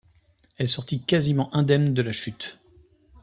Elle sortit quasiment indemne de la chute.